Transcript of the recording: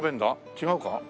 違うか？